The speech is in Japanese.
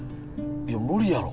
いや無理やろ。